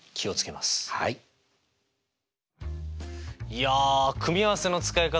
いや組合せの使い方